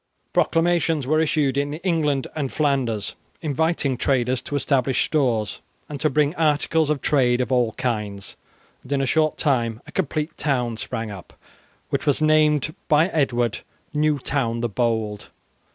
Proclamations were issued in England and Flanders inviting traders to establish stores and to bring articles of trade of all kinds, and in a short time a complete town sprang up which was named by Edward "New Town the Bold".